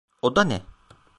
O da ne?